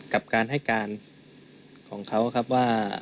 กับการให้การของเขาครับว่า